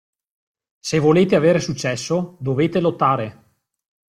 Se volete avere successo, dovete lottare!